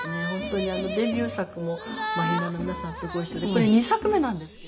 本当にデビュー作もマヒナの皆さんとご一緒で。